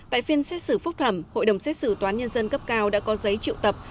tại phiên xét xử phúc thẩm hội đồng xét xử toán nhân dân cấp cao đã có giấy triệu tập